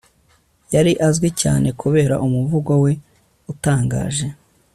yari azwi cyane kubera umuvugo we utangaje